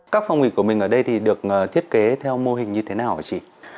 các phòng nghỉ của mình ở đây được thiết kế theo mô hình như thế nào hả chị